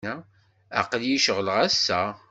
Aql-iyi ceɣleɣ ass-a.